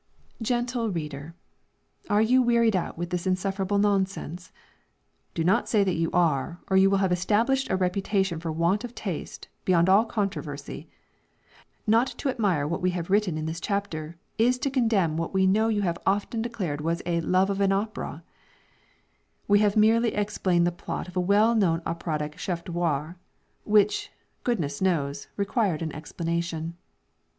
Gentle reader, are you wearied out with this insufferable nonsense? Do not say that you are, or you will have established a reputation for want of taste, beyond all controversy. Not to admire what we have written in this chapter, is to condemn what we know you have often declared was a "love of an opera." We have merely explained the plot of a well known operatic chef d'oeuvre, which, goodness knows, required an explanation.